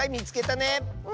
ね！